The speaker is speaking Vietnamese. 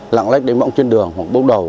lạng lách đánh bóng trên đường hoặc bốc đầu